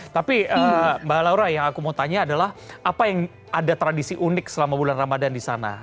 tapi mbak laura yang aku mau tanya adalah apa yang ada tradisi unik selama bulan ramadhan di sana